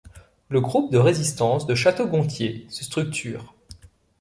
Le Groupe de résistance de Château-Gontier se structure.